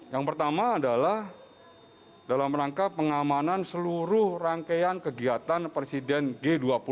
yang pertama adalah dalam rangka pengamanan seluruh rangkaian kegiatan presiden g dua puluh